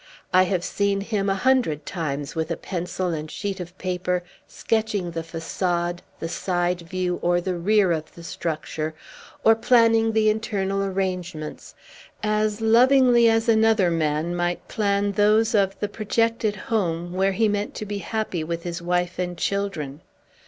I have seen him, a hundred times, with a pencil and sheet of paper, sketching the facade, the side view, or the rear of the structure, or planning the internal arrangements, as lovingly as another man might plan those of the projected home where he meant to be happy with his wife and children.